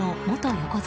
横綱